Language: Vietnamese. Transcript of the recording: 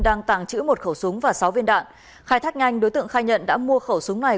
đang tàng trữ một khẩu súng và sáu viên đạn khai thác nhanh đối tượng khai nhận đã mua khẩu súng này